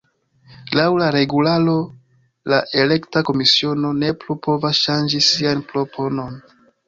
Laŭ la regularo, la elekta komisiono ne plu povas ŝanĝi sian proponon.